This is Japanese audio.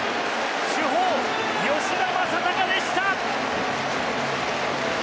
主砲・吉田正尚でした！